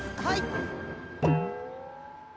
はい。